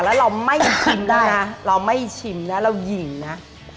เราไม่ชิมนะเราหญิงนะ